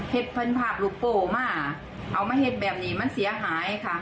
เพื่อนภาพลูกโปมาเอามาเห็นแบบนี้มันเสียหายค่ะ